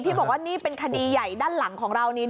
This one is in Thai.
บอกว่านี่เป็นคดีใหญ่ด้านหลังของเรานี้